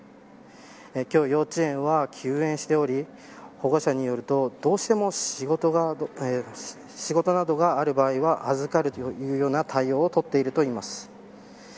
今日、幼稚園は休園しており保護者によると、どうしても仕事などがある場合は預かるというような対応を取っているといいます。